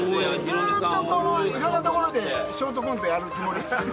ずっといろんなところでショートコントやるつもり？